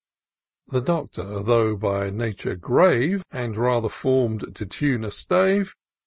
The Doctor, though by nature grave, Aud rather form'd to tune a stave.